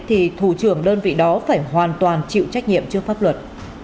thì thủ trưởng đơn vị đó phải hoàn toàn chịu trách nhiệm trước pháp luật